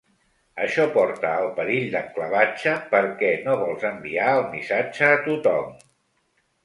Això porta al perill d’enclavatge, perquè no vols enviar el missatge a tothom.